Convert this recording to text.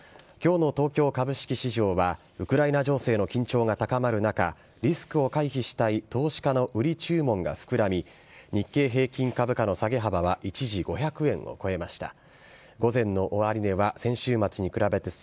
きょうの東京株式市場はウクライナ情勢の緊張が高まる中、リスクを回避したい投資家の売り注文が膨らみ、日経平均株価の下げ幅は、一時５００円を超えました。